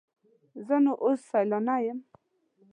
زه نو اوس سیلانی یم.